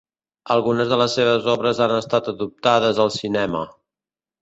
Algunes de les seves obres han estat adaptades al cinema.